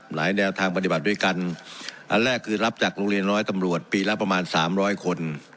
แนวทางปฏิบัติด้วยกันอันแรกคือรับจากโรงเรียนร้อยตำรวจปีละประมาณสามร้อยคน